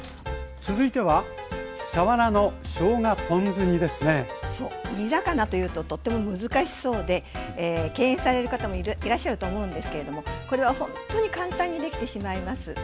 続いては煮魚というととっても難しそうで敬遠される方もいらっしゃると思うんですけれどもこれはほんとに簡単にできてしまいます。